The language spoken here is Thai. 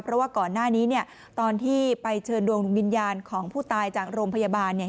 เพราะว่าก่อนหน้านี้เนี่ยตอนที่ไปเชิญดวงวิญญาณของผู้ตายจากโรงพยาบาลเนี่ย